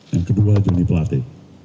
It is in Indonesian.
yang kedua joni pelate